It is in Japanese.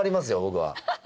僕は。